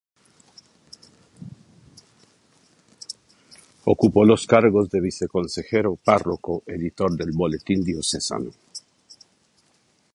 Ocupó los cargos de viceconsejero, párroco, editor del boletín diocesano.